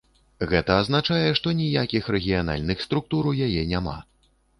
Гэта азначае, што ніякіх рэгіянальных структур у яе няма.